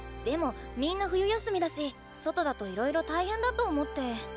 でもみんな冬休みだし外だといろいろ大変だと思って。